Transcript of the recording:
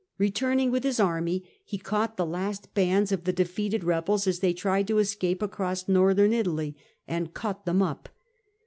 Returning with his army, he caught the last bands of the defeated rebels as they tried to escape across Northern Italy and cut them up.